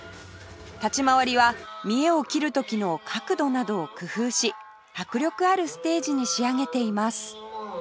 立ち回りは見えを切る時の角度などを工夫し迫力あるステージに仕上げています